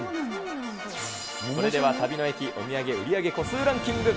それでは旅の駅お土産売り上げ個数ランキング